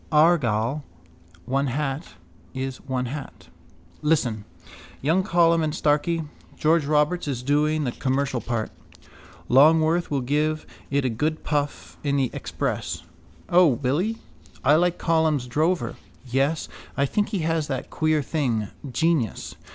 Argal, one hat is one hat. Listen. Young Colum and Starkey. George Roberts is doing the commercial part. Longworth will give it a good puff in the Express. O, will he? I liked Colum's Drover. Yes, I think he has that queer thing genius.